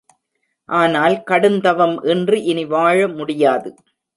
ஆனால் கடுந்தவம் இன்றி இனி வாழ முடியாது.